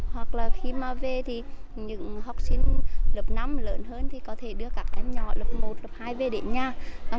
hoặc là khi mà về thì những học sinh lớp năm lớn hơn thì có thể đưa các em nhỏ lớp một lớp hai về đến nhà